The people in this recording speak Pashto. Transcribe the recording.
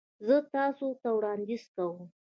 زه تاسو ته وړاندیز کوم